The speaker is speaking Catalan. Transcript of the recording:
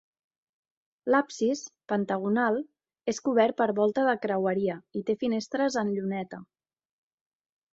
L'absis, pentagonal, és cobert per volta de creueria i té finestres en lluneta.